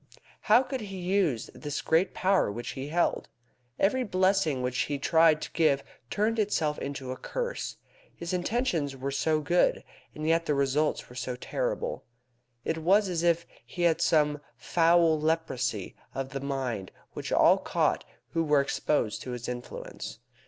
How could he use this great power which he held? Every blessing which he tried to give turned itself into a curse. His intentions were so good, and yet the results were so terrible. It was as if he had some foul leprosy of the mind which all caught who were exposed to his influence.